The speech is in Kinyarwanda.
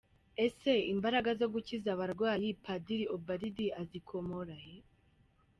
Ese imbaraga zo gukiza abarwayi Padiri Ubald azikomora he?.